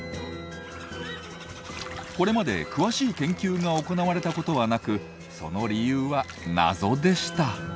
これまで詳しい研究が行われたことはなくその理由は謎でした。